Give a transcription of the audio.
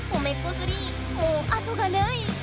３もうあとがない。